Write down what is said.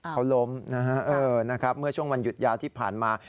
เขาล้มนะฮะเมื่อช่วงวันหยุดยาวที่ผ่านมา